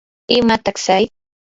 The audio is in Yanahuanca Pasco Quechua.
¿imataq tsay?